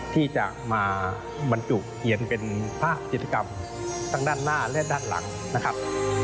ที่จะมาบรรจุเขียนเป็นพระจิตกรรมทั้งด้านหน้าและด้านหลังนะครับ